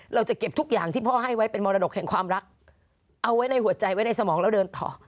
เราจะเก็บทุกอย่างที่พ่อให้ไว้เป็นมรดกแห่งความรักเอาไว้ในหัวใจไว้ในสมองแล้วเดินต่อ